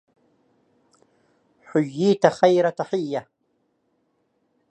حييت خير تحيه